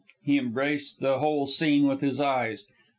He embraced the whole scene with his eyes.